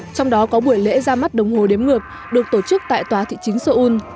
trong đó có buổi lễ ra mắt đồng hồ đếm ngược được tổ chức tại tòa thị chính seoul